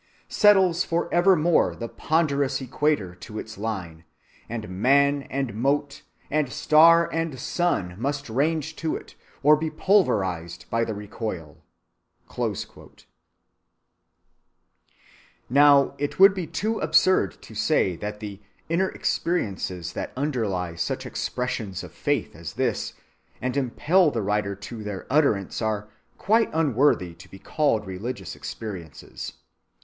Settles forevermore the ponderous equator to its line, and man and mote, and star and sun, must range to it, or be pulverized by the recoil."(11) Now it would be too absurd to say that the inner experiences that underlie such expressions of faith as this and impel the writer to their utterance are quite unworthy to be called religious experiences.